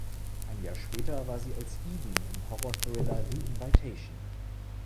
Ein Jahr später war sie als "Eden" im Horrorthriller "The Invitation".